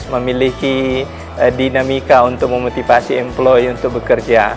memiliki dinamika untuk memotivasi employ untuk bekerja